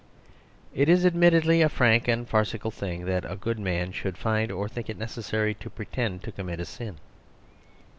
It is admittedly a fran tic and farcical thing that a good man should find or think it necessary to pretend to com mit a sin.